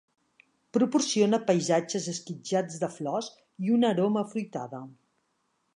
Proporciona paisatges esquitxats de flors i una aroma afruitada.